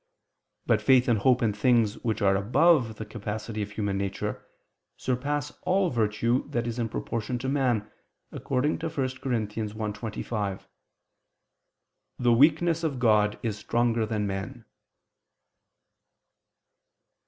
But faith and hope in things which are above the capacity of human nature surpass all virtue that is in proportion to man, according to 1 Cor. 1:25: "The weakness of God is stronger than men."